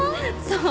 そう？